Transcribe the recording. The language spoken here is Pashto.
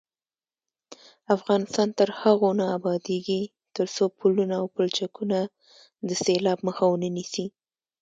افغانستان تر هغو نه ابادیږي، ترڅو پلونه او پلچکونه د سیلاب مخه ونه نیسي.